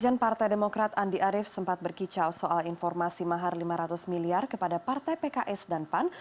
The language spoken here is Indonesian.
sekjen partai demokrat andi arief sempat berkicau soal informasi mahar lima ratus miliar kepada partai pks dan pan